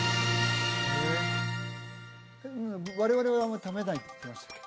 我々はあんまり食べないって言ってましたっけ？